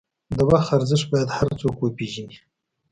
د وخت ارزښت باید هر څوک وپېژني.